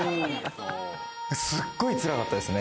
すっごいつらかったですね。